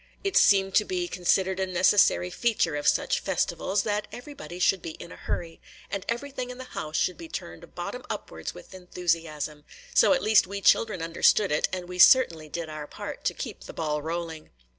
It seemed to be considered a necessary feature of such festivals, that everybody should be in a hurry, and everything in the house should be turned bottom upwards with enthusiasm, – so at least we children understood it, and we certainly did our part to keep the ball rolling.